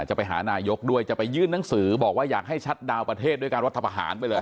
จะไปหานายกด้วยจะไปยื่นหนังสือบอกว่าอยากให้ชัดดาวนประเทศด้วยการรัฐประหารไปเลย